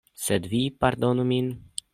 Sed vi pardonu min.